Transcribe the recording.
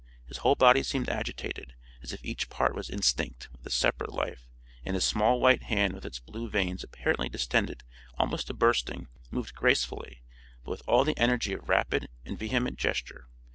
His whole body seemed agitated, as if each part was instinct with a separate life; and his small white hand with its blue veins apparently distended almost to bursting, moved gracefully, but with all the energy of rapid and vehement gesture.